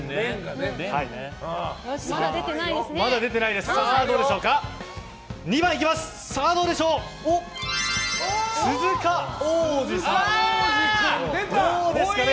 まだ出てないですね。